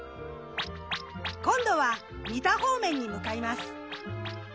今度は三田方面に向かいます。